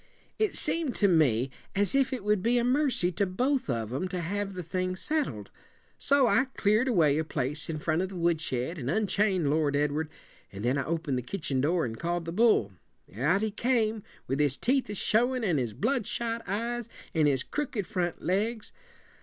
"It seemed to me as if it would be a mercy to both of 'em to have the thing settled. So I cleared away a place in front of the woodshed and unchained Lord Edward, and then I opened the kitchen door and called the bull. Out he came, with his teeth a showin', and his bloodshot eyes, and his crooked front legs.